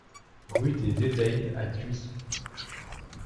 Rue des Véveilles à Cluis